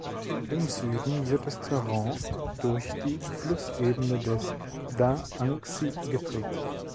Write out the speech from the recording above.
Im Süden wird das Terrain durch die Flussebene des Da’anxi geprägt.